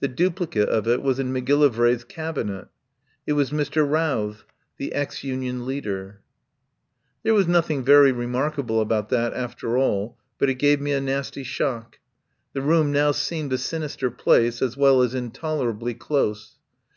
The duplicate of it was in Macgilli vray's cabinet. It was Mr. Routh, the ex Union leader. 139 THE POWER HOUSE There was nothing very remarkable about that, after all, but it gave me a nasty shock. The room now seemed a sinister place, as well as intolerably close.